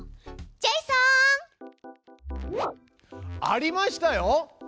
ジェイソン！ありましたよ！